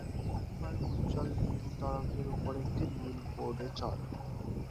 Surfer উজ্জ্বল নীল তরঙ্গের উপর একটি নীল বোর্ডে চড়ে।